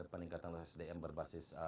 peningkatan sdm berbasis